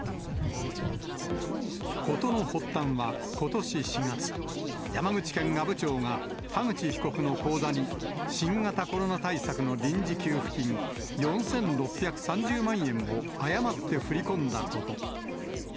事の発端はことし４月、山口県阿武町が田口被告の口座に、新型コロナ対策の臨時給付金４６３０万円を誤って振り込んだこと。